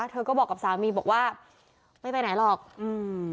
เธอก็บอกกับสามีบอกว่าไม่ไปไหนหรอกอืม